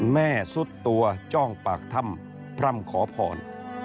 สุดตัวจ้องปากถ้ำพร่ำขอพร